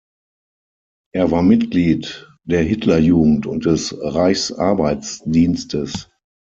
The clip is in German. Er war Mitglied der Hitlerjugend und des Reichsarbeitsdienstes.